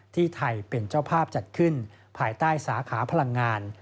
ที่ไทยเป็นเจ้าภาพจัดขึ้นภายใต้สาขาพลังงาน